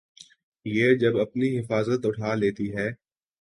یہ جب اپنی حفاظت اٹھا لیتی ہے۔